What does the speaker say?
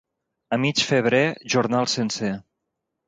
A mig febrer, jornal sencer.